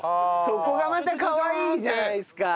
そこがまたかわいいじゃないですか。